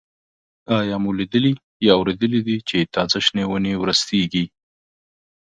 آیا مو لیدلي یا اورېدلي دي چې تازه شنې ونې ورستېږي؟